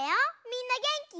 みんなげんき？